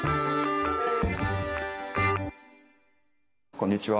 こんにちは。